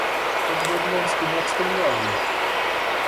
Как бы Облонский не обстрелял его?